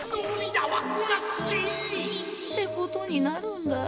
ってことになるんだ